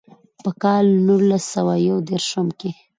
پۀ کال نولس سوه يو ديرشم کښې